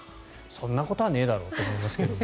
そんなことはねえだろうと思いますけど。